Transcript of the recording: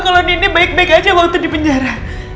kalau nenek baik baik aja waktu di penjara